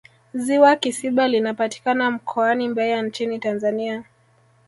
ziwa kisiba linapatikana mkoani mbeya nchini tanzania